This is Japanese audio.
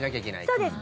そうです。